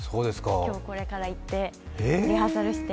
今日これから行ってリハーサルして。